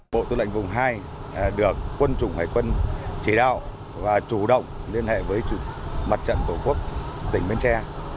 bộ tư lệnh vùng hai được quân chủng hải quân chỉ đạo và chủ động liên hệ với mặt trận tổ quốc tỉnh bến tre